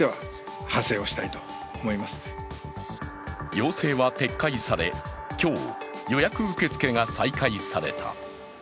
要請は撤回され、今日、予約受け付けが再開された。